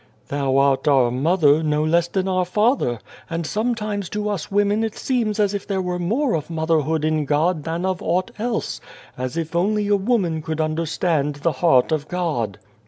" Thou art our Mother, no less than our Father ; and sometimes to us women it seems as if there were more of motherhood in God than of aught else, as if only a woman could understand the heart of God.